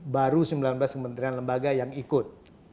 baru sembilan belas kementerian lembaga yang ikut